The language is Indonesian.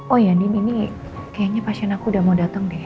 oh iya din ini kayaknya pasien aku udah mau dateng deh